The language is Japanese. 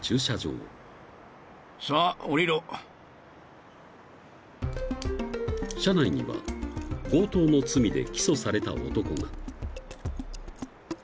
［車内には強盗の罪で起訴された男が］